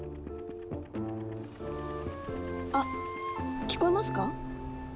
あっ聞こえますか？